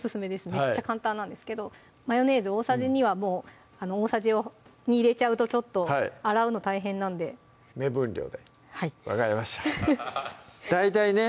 めっちゃ簡単なんですけどマヨネーズ大さじ２はもう大さじに入れちゃうとちょっと洗うの大変なので目分量ではい分かりました大体ね